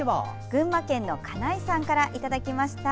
群馬県の金井さんからいただきました。